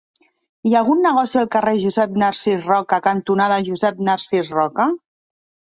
Hi ha algun negoci al carrer Josep Narcís Roca cantonada Josep Narcís Roca?